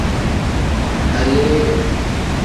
Aleere.